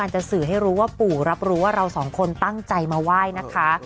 หลับรู้ว่าเราสองคนตั้งใจมาไหว้นะคะ